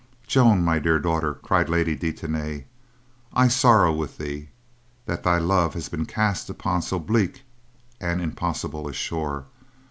"Joan, my dear daughter," cried Lady de Tany, "I sorrow with thee that thy love has been cast upon so bleak and impossible a shore.